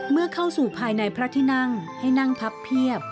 เมื่อเข้าสู่ภายในพระที่นั่งให้นั่งพับเพียบ